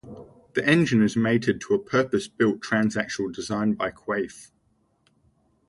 The engine is mated to a purpose-built transaxle designed by Quaife.